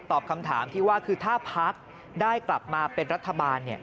คำถามที่ว่าคือถ้าพักได้กลับมาเป็นรัฐบาล